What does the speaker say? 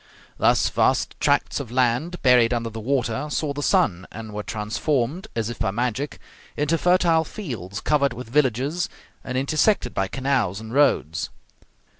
Thus vast tracts of land buried under the water saw the sun, and were transformed, as if by magic, into fertile fields, covered with villages, and intersected by canals and roads.